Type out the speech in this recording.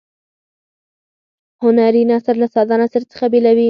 هنري نثر له ساده نثر څخه بیلوي.